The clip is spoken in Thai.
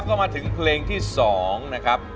ก็มาถึงเพลงที่๒นะครับ